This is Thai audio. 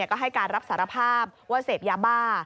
ก็ให้การรับสารภาพว่าเสพยาบ้า